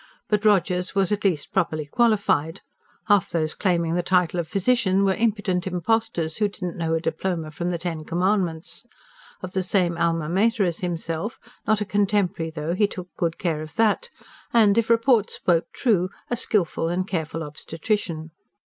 But Rogers was at least properly qualified (half those claiming the title of physician were impudent impostors, who didn't know a diploma from the Ten Commandments), of the same ALMA MATER as himself not a contemporary, though, he took good care of that! and, if report spoke true, a skilful and careful obstetrician.